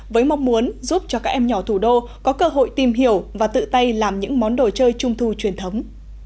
với mong muốn giúp cho các em nhỏ thủ đô có cơ hội tìm hiểu và tự tay làm những món đồ chơi trung thu truyền thống